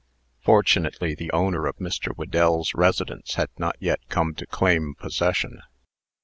Fortunately, the owner of Mr. Whedell's residence had not yet come to claim possession.